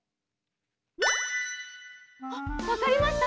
あっわかりました？